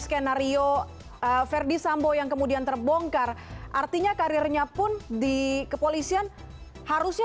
skenario verdi sambo yang kemudian terbongkar artinya karirnya pun di kepolisian harusnya